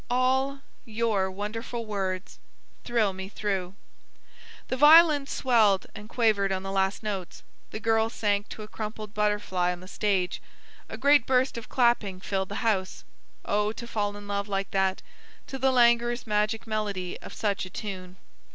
"All—your—wonderful words Thrill me through—" The violins swelled and quavered on the last notes, the girl sank to a crumpled butterfly on the stage, a great burst of clapping filled the house. Oh, to fall in love like that, to the languorous magic melody of such a tune!